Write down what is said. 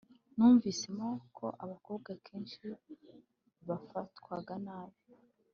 numvisemo ko abakobwa kenshi bafatwaga nabi